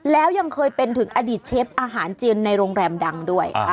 แล้วยังเคยเป็นถึงอดีตเชฟอาหารจีนในโรงแรมดังด้วย